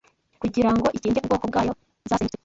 kugira ngo ikingire ubwoko bwayo zasenyutse